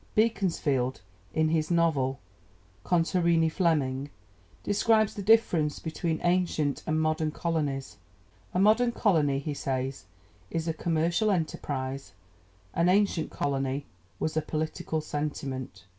Beaconsfield, in his novel Contarini Fleming, describes the difference between ancient and modern colonies. "A modern colony," he says, "is a commercial enterprise, an ancient colony was a political sentiment."